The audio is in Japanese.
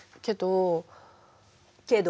けど。